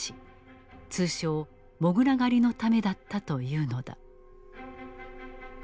通称「モグラ狩り」のためだったというのだ。